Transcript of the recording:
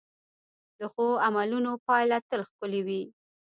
د ښو عملونو پایله تل ښکلې وي.